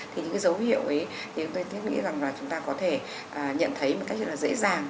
thì những cái dấu hiệu ấy thì tôi nghĩ rằng là chúng ta có thể nhận thấy một cách dễ dàng